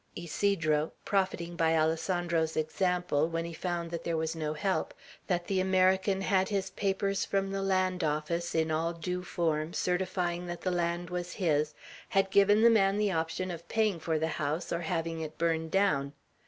Ysidro, profiting by Alessandro's example, when he found that there was no help, that the American had his papers from the land office, in all due form, certifying that the land was his, had given the man his option of paying for the house or having it burned down.